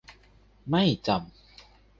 ไม่จำ